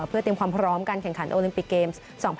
เพื่อเตรียมความพร้อมการแข่งขันโอลิมปิกเกมส์๒๐๑๖